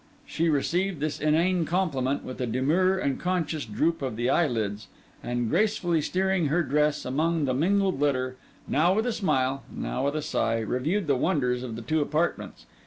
She received this inane compliment with a demure and conscious droop of the eyelids, and gracefully steering her dress among the mingled litter, now with a smile, now with a sigh, reviewed the wonders of the two apartments.